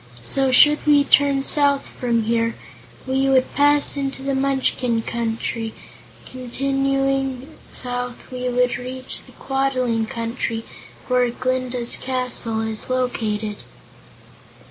"So, should we turn south from here, we would pass into the Munchkin Country, and continuing south we would reach the Quadling Country where Glinda's castle is located."